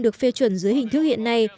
được phê chuẩn dưới hình thức hiện nay